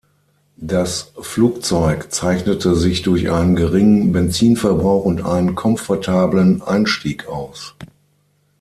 Das Flugzeug zeichnete sich durch einen geringen Benzinverbrauch und einen komfortablen Einstieg aus.